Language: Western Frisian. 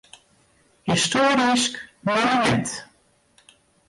Histoarysk monumint.